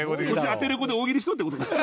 アテレコで大喜利しろって事か。